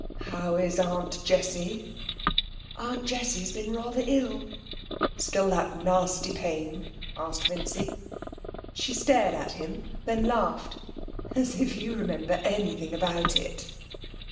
'How is Aunt Jessie?' 'Aunt Jessie's been rather ill.' 'Still that nasty pain?' asked Vincy. She stared at him, then laughed. 'As if you remember anything about it.'